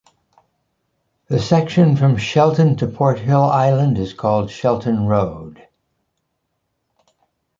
The section from Shelton to Porthill island is called Shelton Road.